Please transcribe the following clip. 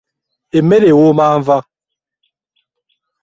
Emmere ewooma nva.